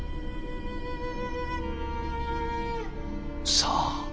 さあ。